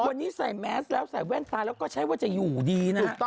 วันนี้ใส่แมสแล้วใส่แว่นตาแล้วก็ใช้ว่าจะอยู่ดีนะ